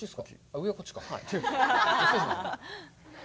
上は、こっちか。